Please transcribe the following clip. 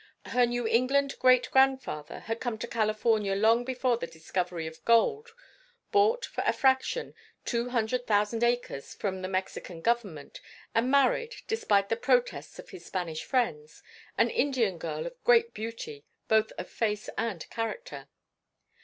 Her New England great grandfather had come to California long before the discovery of gold, bought, for a fraction, two hundred thousand acres from the Mexican government, and married, despite the protests of his Spanish friends, an Indian girl of great beauty, both of face and character.